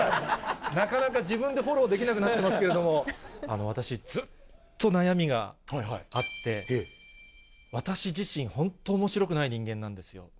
なかなか自分でフォローできなくなっていますけれども、私、ずっと悩みがあって、私自身、本当、おもしろくない人間なんですよ。